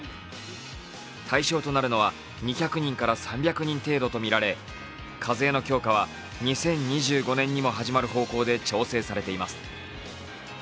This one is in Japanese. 対象となるのは２００人から３００人程度とみられ、課税の強化は２０２５年にも始まる方向で調整されています。